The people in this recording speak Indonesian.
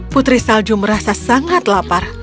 putri salju merasa sangat lapar